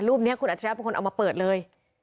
รูปนี้คุณอัจฉริยะเป็นคนเอามาเปิดเลย